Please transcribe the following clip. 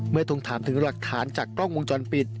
ทวงถามถึงหลักฐานจากกล้องวงจรปิด